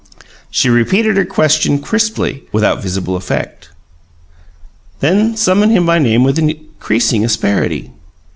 She repeated her question crisply, without visible effect; then summoned him by name with increasing asperity.